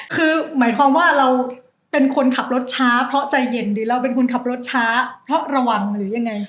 คือหมายความว่าเราเป็นคนขับรถช้าเพราะใจเย็นหรือเราเป็นคนขับรถช้าเพราะระวังหรือยังไง